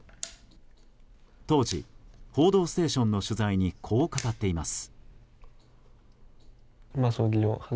当時、「報道ステーション」の取材に、こう語っています。